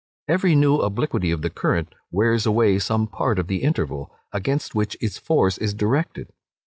Every new obliquity of the current wears away some part of the Interval, against which its force is directed.